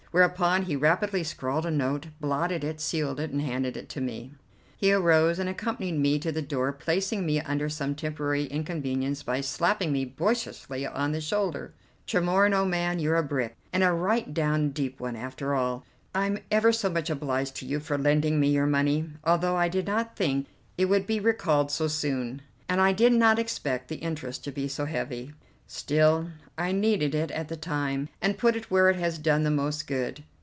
Whereupon he rapidly scrawled a note, blotted it, sealed it, and handed it to me. He arose and accompanied me to the door, placing me under some temporary inconvenience by slapping me boisterously on the shoulder. "Tremorne, old man, you're a brick, and a right down deep one after all. I'm ever so much obliged to you for lending me your money, although I did not think it would be recalled so soon, and I did not expect the interest to be so heavy. Still, I needed it at the time, and put it where it has done the most good.